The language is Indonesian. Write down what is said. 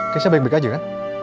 keisha baik baik aja kan